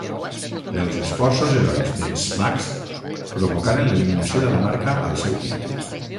Els esforços heroics de Smax provocaren l'eliminació de la marca al seu pit.